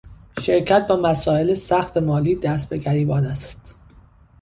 شرکت با مسایل سخت مالی دست به گریبان است.